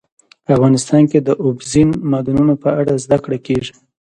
افغانستان کې د اوبزین معدنونه په اړه زده کړه کېږي.